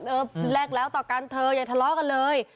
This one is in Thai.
เออแลกแล้วต่อกันเธออย่าทะเลาะกันเลย